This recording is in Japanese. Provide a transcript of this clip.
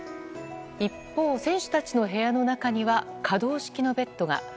一方、選手たちの部屋の中には可動式のベッドが。